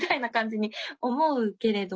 に思うけれども。